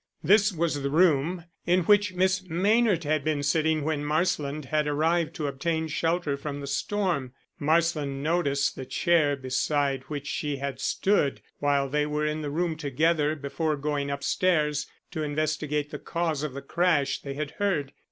This was the room in which Miss Maynard had been sitting when Marsland had arrived to obtain shelter from the storm. Marsland noticed the chair beside which she had stood while they were in the room together before going upstairs to investigate the cause of the crash they had heard.